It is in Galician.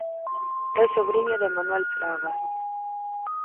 É sobriño de Manuel Fraga.